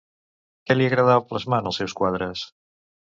Què li agradava plasmar en els seus quadres?